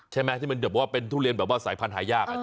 ใช่ไหมที่มันแบบว่าเป็นทุเรียนแบบว่าสายพันธุ์หายาก